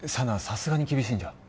さすがに厳しいんじゃ？